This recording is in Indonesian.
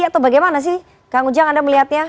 atau bagaimana sih kang ujang anda melihatnya